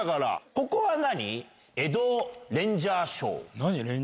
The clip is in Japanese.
ここは何？